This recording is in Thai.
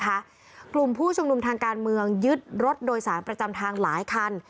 กลุ่มผู้ชุมนุมทางการเมืองยึดรถโดยสารประจำทางหลายคัน